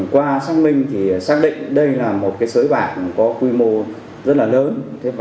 qua xác minh thì xác định đây là một sới bạc có quy mô rất là lớn